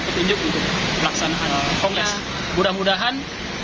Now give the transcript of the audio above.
petunjuk untuk melaksanakan kongres mudah mudahan